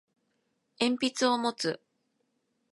鉛筆を持つ